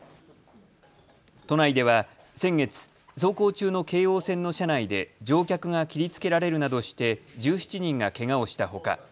都内では先月、走行中の京王線の車内で乗客が切りつけられるなどして１７人がけがをしたほか